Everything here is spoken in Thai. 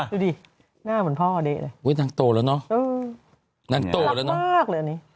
ดูดิหน้าเหมือนพ่อเด้เลยอุ้ยนางโตแล้วเนอะนางโตแล้วเนอะมากเลยอันนี้